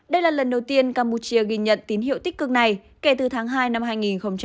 đây là lần đầu tiên campuchia ghi nhận tín hiệu tích cực này kể từ tháng hai năm hai nghìn một mươi chín